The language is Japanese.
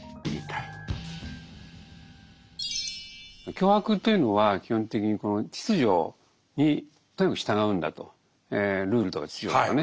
強迫というのは基本的にこの秩序にとにかく従うんだとルールとか秩序とかね